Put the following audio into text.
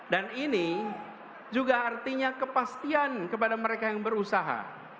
dan ini juga artinya kepastian kepada mereka yang berusaha